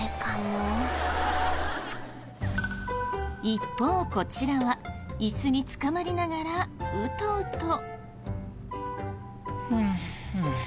一方こちらはイスにつかまりながらウトウト。